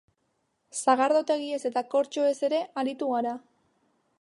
Sagardotegiez eta kortxoez ere aritu gara.